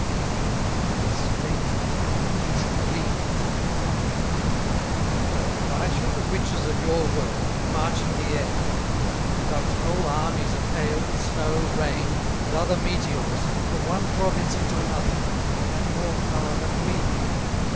"And it is strange," replied he, "that you should believe, and not believe. Pray why should the Witches of your World, who march in the Air, and conduct whole Armies of Hail, Snow, Rain, and other Meteors, from one Province into another, have more Power than we?